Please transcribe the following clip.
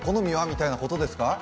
みたいなことですか？